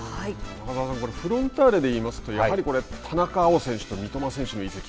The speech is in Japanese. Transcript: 中澤さん、フロンターレで言いますとやはり田中選手と三笘選手の移籍は